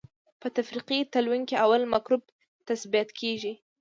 په تفریقي تلوین کې اول مکروب تثبیت کیږي.